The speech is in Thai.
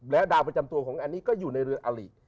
แล้วดาวประจำตัวของอันนี้ก็อยู่ในเรืออลิ